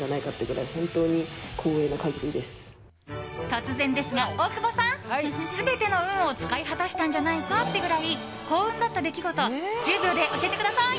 突然ですが、大久保さん全ての運を使い果たしたんじゃないかってぐらい幸運だった出来事を１０秒で教えてください。